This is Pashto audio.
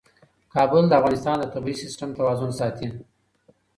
کابل د افغانستان د طبعي سیسټم توازن ساتي.